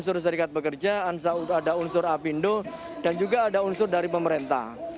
unsur serikat pekerja ada unsur apindo dan juga ada unsur dari pemerintah